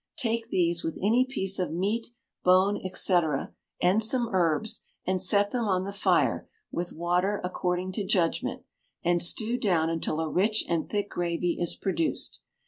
Take these, with any piece of meat, bone, &c., and some herbs, and set them on the fire, with water according to judgment, and stew down until a rich and thick gravy is produced.